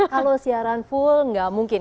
kalau siaran full nggak mungkin